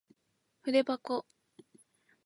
ふでばこ